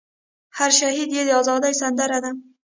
هر شهید ئې د ازادۍ سندره ده